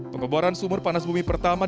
pengeboran sumur panas bumi pertama